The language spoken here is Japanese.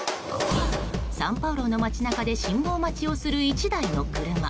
サンパウロの街中で信号待ちをする１台の車。